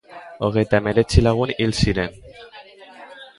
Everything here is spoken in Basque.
Hogeita hemeretzi lagun hil ziren.